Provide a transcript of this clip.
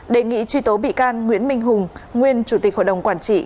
đề nghị truy tố bị can nguyễn minh hùng nguyên chủ tịch hội đồng quản trị